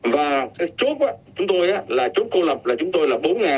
và cái chốt chúng tôi là chốt côn lập là chúng tôi là bốn ba trăm một mươi ba